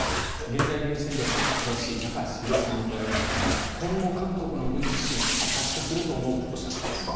現代軍事戦略に詳しい高橋杉雄さんに伺いましたら今後、各国の軍事支援は活発化するとおっしゃっています。